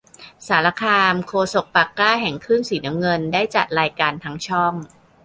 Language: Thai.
สารคาม โฆษกปากกล้าแห่งคลื่นสีน้ำเงิน ได้จัดรายการทั้งช่อง